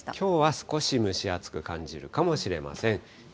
きょうは少し蒸し暑く感じるかもしれません。